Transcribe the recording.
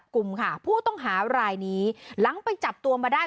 กลุ่มค่ะผู้ต้องหารายนี้หลังไปจับตัวมาได้